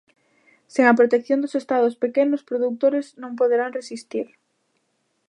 Sen a protección dos Estados os pequenos produtores non poderán resistir.